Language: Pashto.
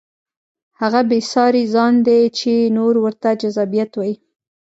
هغه بې ساري ځان دی چې نور ورته جذابیت وایي.